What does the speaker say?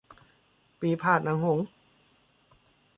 ปี่พาทย์นางหงส์